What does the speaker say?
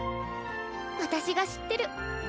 私が知ってる。